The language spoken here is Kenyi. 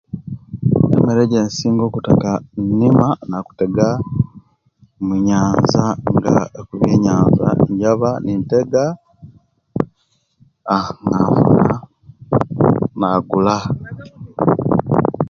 Emere ejensinga okutaka inima nakutega munyanza nga kubyeyanza njaba nintega a nvuba nagula